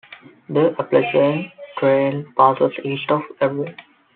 The Appalachian Trail passes east of Erwin.